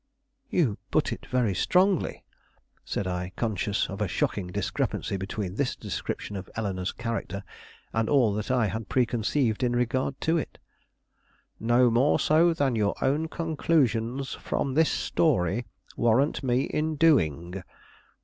"You put it very strongly," said I, conscious of a shocking discrepancy between this description of Eleanore's character and all that I had preconceived in regard to it. "No more so than your own conclusions from this story warrant me in doing."